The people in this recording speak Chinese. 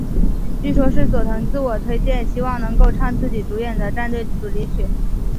据说是佐藤自我推荐希望能够唱自己主演的战队主题曲。